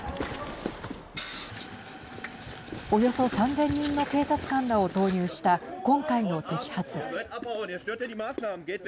およそ３０００人の警察官らを投入した今回の摘発。